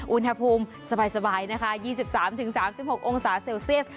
อุณหภูมิสบายนะคะ๒๓๓๖องศาเซลเซียส